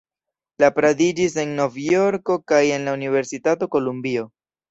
Li gradiĝis en Novjorko kaj en la Universitato Kolumbio.